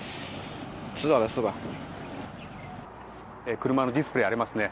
車のディスプレーがありますね。